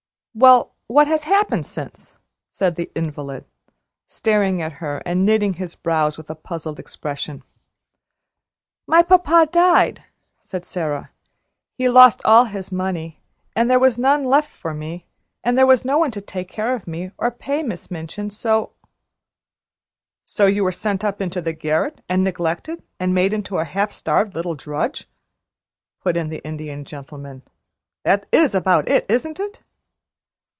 "Well, what has happened since then?" said the invalid, staring at her and knitting his brows with a puzzled expression. "My papa died," said Sara. "He lost all his money, and there was none left for me and there was no one to take care of me or pay Miss Minchin, so " "So you were sent up into the garret and neglected, and made into a half starved little drudge!" put in the Indian Gentleman. "That is about it, isn't it?"